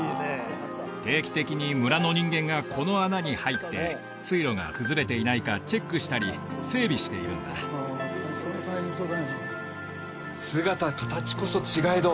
定期的に村の人間がこの穴に入って水路が崩れていないかチェックしたり整備しているんだ姿形こそ違えど